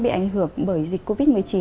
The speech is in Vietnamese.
bị ảnh hưởng bởi dịch covid một mươi chín